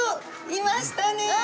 いましたね！